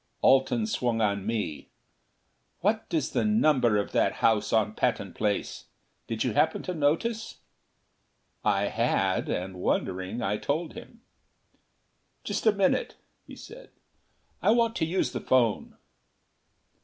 Alten swung on me. "What is the number of that house on Patton Place? Did you happen to notice?" I had, and wondering I told him. "Just a minute," he said. "I want to use the phone."